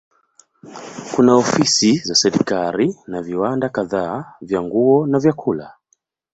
Kuna ofisi za serikali na viwanda kadhaa vya nguo na vyakula.